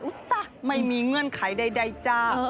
อุ๊ต๊ะไม่มีเงื่อนไขใดจ้า